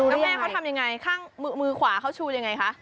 แล้วแม่เขาทำยังไงข้างมือขวาเขาชูยังไงคะ